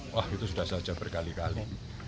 wah itu sudah saja berkali kali